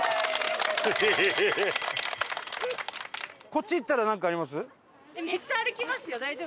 こっち行ったらなんかあります？